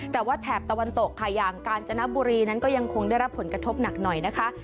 แต่ว่าแถบตะวันตกค่ะอย่างกาญจนบุรีนั้นก็ยังคงได้รับผลกระทบหนักหน่อยนะคะ